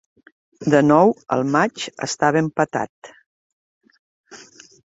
De nou, el matx estava empatat.